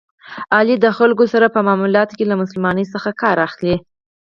علي د خلکو سره په معاملاتو کې له مسلمانی څخه کار اخلي.